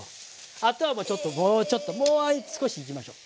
あとはもうちょっともうちょっともう少しいきましょう。